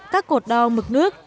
các cột đo mực nước